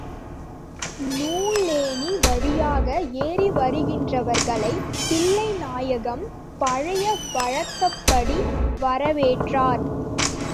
நூலேணி வழியாக ஏறிவருகின்றவர்களைத் தில்லைநாயகம் பழைய வழக்கப்படி வரவேற்றார்.